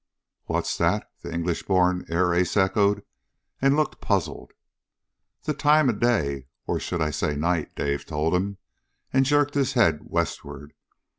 "What's that?" the English born air ace echoed, and looked puzzled. "The time of day, or I should say night," Dave told him, and jerked his head westward.